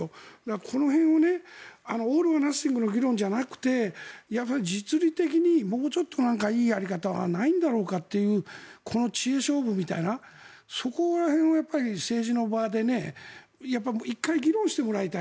この辺をオール・オア・ナッシングの議論じゃなくて実利的にもうちょっといいやり方はないんだろうかというこの知恵勝負みたいなそこら辺を政治の場で１回、議論してもらいたい。